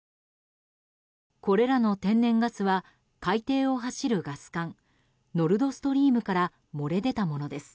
これらの天然ガスは海底を走るガス管ノルドストリームから漏れ出たものです。